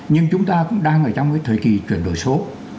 nhưng chúng ta cũng đang ở trong cái thời kỳ chuyển đổi số